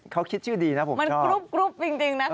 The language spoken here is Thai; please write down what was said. เค้าคิดชื่อดีนะผมชอบมันกรุบจริงนะคะ